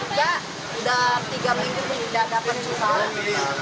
tidak sudah tiga minggu tidak dapat curah